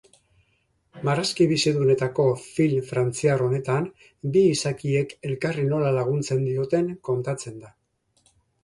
Marrazki bizidunetako film frantziar honetan bi izakiek elkarri nola laguntzen dioten kontatzen da.